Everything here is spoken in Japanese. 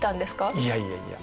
いやいやいや。